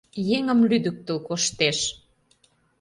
Еҥым лӱдыктыл коштеш!